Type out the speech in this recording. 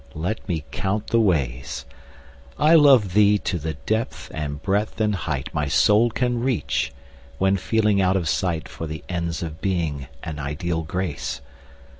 Let me count the ways. I love thee to the depth and breadth and height My soul can reach, when feeling out of sight For the ends of Being and ideal Grace.